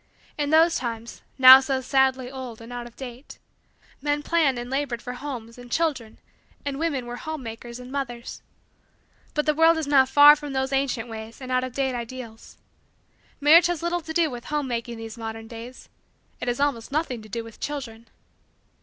In those times, now so sadly old and out of date, men planned and labored for homes and children and women were home makers and mothers. But the world is now far from those ancient ways and out of date ideals. Marriage has little to do with home making these modern days. It has almost nothing to do with children.